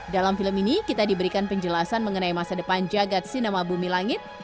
dalam film ini kita diberikan penjelasan mengenai masa depan jagad sinema bumi langit